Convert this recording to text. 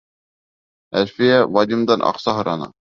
Әлфиә Вадимдан аҡса һораны.